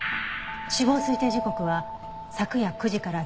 死亡推定時刻は昨夜９時から１１時。